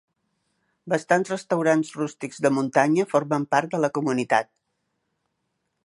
Bastants restaurants rústics de muntanya, formen part de la comunitat.